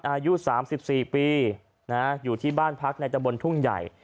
อายุ๓๔ปีอยู่ที่บ้านพักในตะบนทุ่งใหญ่